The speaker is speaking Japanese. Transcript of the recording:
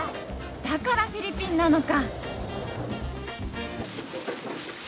だからフィリピンなのか！